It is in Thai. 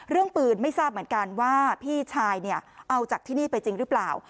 เรื่องปืนไม่ทราบเหมือนกันว่าพี่ชายเนี่ยเอาจากที่นี่ไปจริงหรือเปล่า